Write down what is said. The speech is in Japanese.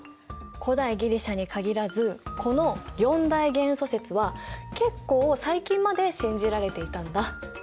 古代ギリシャに限らずこの四大元素説は結構最近まで信じられていたんだ。